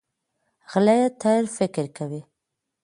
غلی، تل فکر کوي.